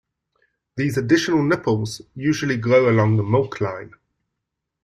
These additional nipples usually grow along the milk line.